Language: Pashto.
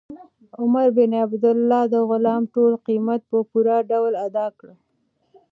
عمر بن عبیدالله د غلام ټول قیمت په پوره ډول ادا کړ.